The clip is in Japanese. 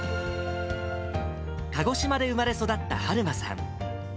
鹿児島で生まれ育ったはるまさん。